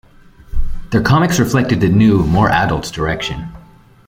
Their comics reflected the new, more adult direction.